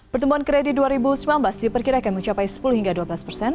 pertumbuhan kredit dua ribu sembilan belas diperkirakan mencapai sepuluh hingga dua belas persen